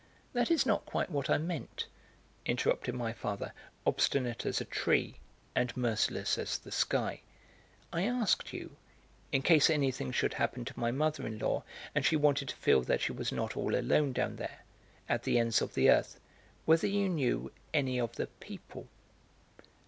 "That is not quite what I meant," interrupted my father, obstinate as a tree and merciless as the sky. "I asked you, in case anything should happen to my mother in law and she wanted to feel that she was not all alone down there, at the ends of the earth, whether you knew any of the people."